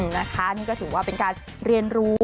นะคะนี่ก็ถือว่าเป็นการเรียนรู้